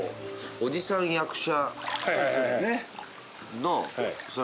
おじさん役者。